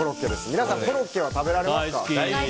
皆さんコロッケは食べられますか？